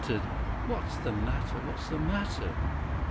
"What's the matter? What's the matter?"